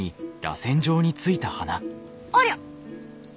ありゃ！